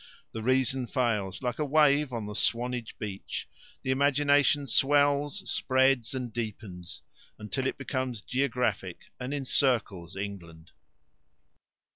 The reason fails, like a wave on the Swanage beach; the imagination swells, spreads, and deepens, until it becomes geographic and encircles England.